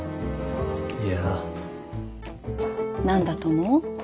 いや。何だと思う？